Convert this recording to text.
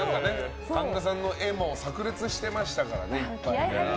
神田さんの絵も炸裂してましたからね。